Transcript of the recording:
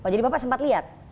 jadi bapak sempat lihat